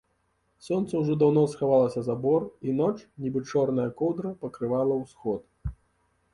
Сонца ўжо даўно схавалася за бор, i ноч, нiбы чорная коўдра, пакрывала ўсход.